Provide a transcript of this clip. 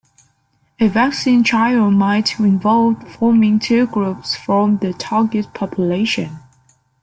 A vaccine trial might involve forming two groups from the target population.